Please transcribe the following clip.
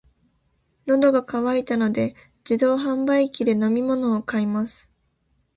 喉が渇いたので、自動販売機で飲み物を買います。